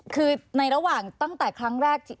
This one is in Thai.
คือในระหว่างตั้งแต่ครั้งแรก